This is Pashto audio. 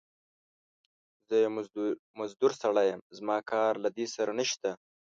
زه يو مزدور سړی يم، زما کار له دې سره نشته.